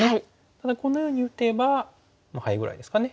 ただこのように打てばまあハイぐらいですかね。